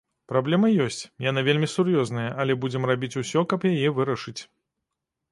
Праблема ёсць, яна вельмі сур'ёзная, але будзем рабіць усё, каб яе вырашыць.